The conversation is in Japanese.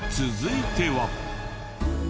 続いては。